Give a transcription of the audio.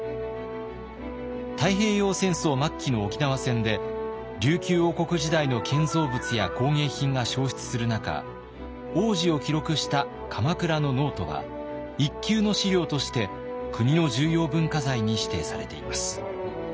太平洋戦争末期の沖縄戦で琉球王国時代の建造物や工芸品が焼失する中往時を記録した鎌倉のノートは一級の資料として国の重要文化財に指定されています。